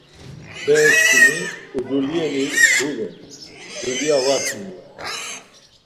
Bereçkimi udulyeli gulun, dulya var adziru.